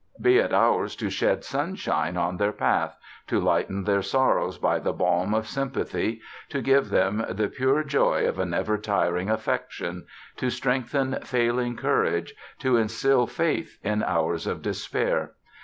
Be it ours to shed sunshine on their path, to lighten their sorrows by the balm of sympathy, to give them the pure joy of a never tiring affection, to strengthen failing courage, to instil faith in hours of despair.